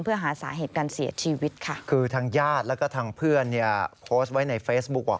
เพื่อหาสาเหตุการเสียชีวิตค่ะคือทางญาติแล้วก็ทางเพื่อนเนี่ยโพสต์ไว้ในเฟซบุ๊คบอก